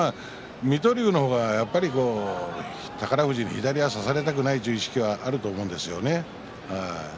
水戸龍が宝富士に左を差されたくないという思いがあったと思うんですよね。